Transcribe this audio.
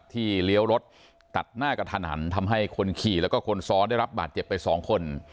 เลี้ยวรถตัดหน้ากระทันหันทำให้คนขี่แล้วก็คนซ้อนได้รับบาดเจ็บไปสองคน